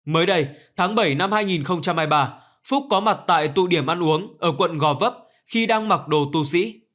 mới đây tháng bảy năm hai nghìn hai mươi ba phúc có mặt tại tụ điểm ăn uống ở quận gò vấp khi đang mặc đồ tù sĩ